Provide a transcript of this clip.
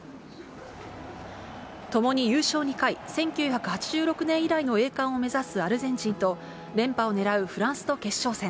ともに優勝２回、１９８６年以来の栄冠を目指すアルゼンチンと、連覇をねらうフランスの決勝戦。